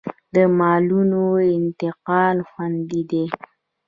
د مالونو انتقال خوندي دی